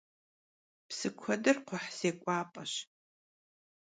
Psı kuedır kxhuh zêk'uap'eş.